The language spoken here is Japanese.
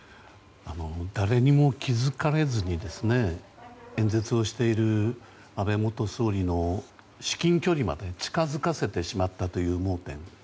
誰にも気づかれずに演説をしている安倍元総理の至近距離まで近づかせてしまったという盲点。